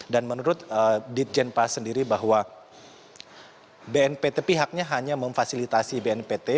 dan menurut di tienpas sendiri bahwa bnpt pihaknya hanya memfasilitasi bnpt